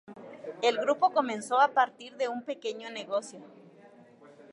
El grupo comenzó a partir de un pequeño negocio.